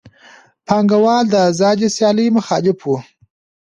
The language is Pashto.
پانګوال د آزادې سیالۍ مخالف وو